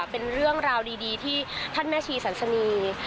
เป็นเรื่องราวดีที่ท่านแม่ชีสันสนี